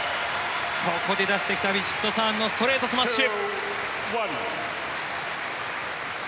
ここで出してきたヴィチットサーンのストレートスマッシュ。